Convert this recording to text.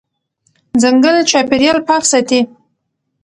ځنګل چاپېریال پاک ساتي.